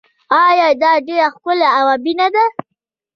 آیا دا ډیره ښکلې او ابي نه ده؟